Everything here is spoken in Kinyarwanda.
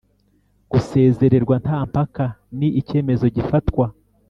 gusezererwa nta mpaka ni icyemezo gifatwa